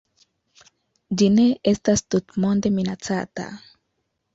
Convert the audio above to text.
Ĝi ne estas tutmonde minacata.